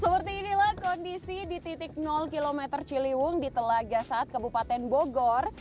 seperti inilah kondisi di titik km ciliwung di telaga saat kabupaten bogor